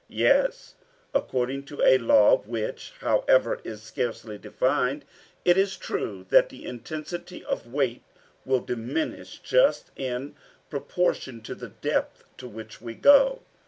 "Yes according to a law which, however, is scarcely defined. It is true that the intensity of weight will diminish just in proportion to the depth to which we go.